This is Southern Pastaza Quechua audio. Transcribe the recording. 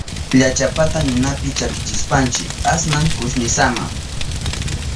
Llachapata ninapi chakichishpanchi asnan kushnisama.